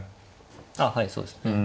あはいそうですね。